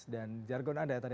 dan jargon anda yang tadi